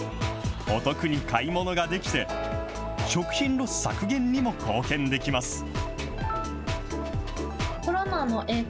お得に買い物ができて、食品ロス削減にも貢献できます。